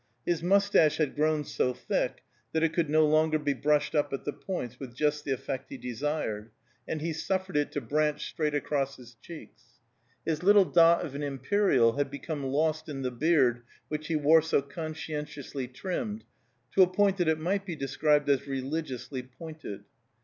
His moustache had grown so thick that it could no longer be brushed up at the points with just the effect he desired, and he suffered it to branch straight across his cheeks; his little dot of an imperial had become lost in the beard which he wore so conscientiously trimmed to a point that it might be described as religiously pointed.